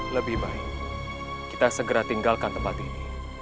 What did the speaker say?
lebih baik kita segera tinggalkan tempat ini